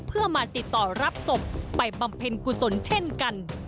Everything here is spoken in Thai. เพื่อมาติดต่อรับศพไปบำเพ็ญกุศลเช่นกัน